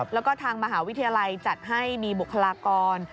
แล้วก็ทางมหาวิทยาลัยจัดให้มีบุคลากร